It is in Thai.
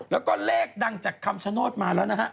แล้วก็เลขดังจากคำชโนธมาแล้วนะฮะ